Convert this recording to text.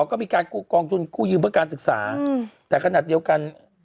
ก็มีการกู้กองทุนกู้ยืมเพื่อการศึกษาแต่ขนาดเดียวกัน